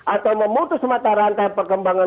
atau memutus mata rantai perkembangan